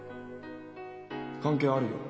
関係あるよ。